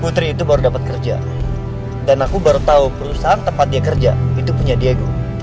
putri itu baru dapat kerja dan aku baru tahu perusahaan tempat dia kerja itu punya diego